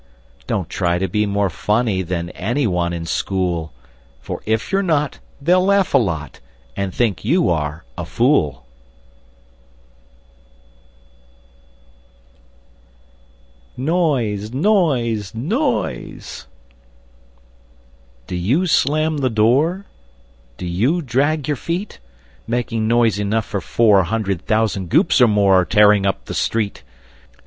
Don't try to be more funny Than any one in school; For if you're not, they'll laugh a lot, And think you are a fool! [Illustration: Noise! Noise! Noise!] NOISE! NOISE! NOISE! Do you slam the door? Do you drag your feet? Making noise enough for four Hundred thousand Goops, or more, Tearing up the street?